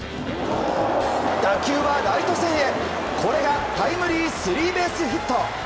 打球はライト線へ、これがタイムリースリーベースヒット。